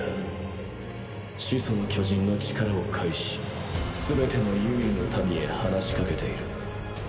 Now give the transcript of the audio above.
始祖の巨人の力を介しすべてのユミルの民へ話しかけている。